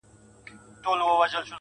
مسافرۍ كي يك تنها پرېږدې.